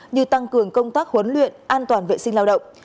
như tăng cường công tác huấn luyện an toàn vệ sinh lao động